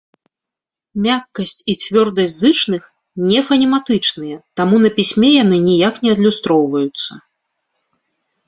Мяккасць і цвёрдасць зычных не фанематычныя, таму на пісьме яны ніяк не адлюстроўваюцца.